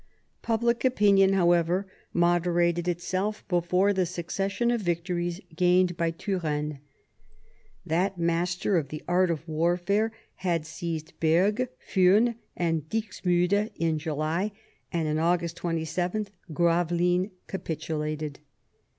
Public opinion, however, moderated itself before the succession of victories gained by Turenne. That master of the art of warfare had seized Bergues, Furnes, and Dixmude in July, and in August 27 Gravelines capitulated.